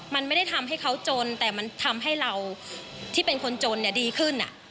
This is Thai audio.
มันไม่ได้ทำให้เขาจนแต่มันทำให้เราที่เป็นคนจนดีขึ้น